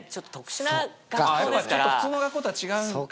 やっぱ普通の学校とは違うのか。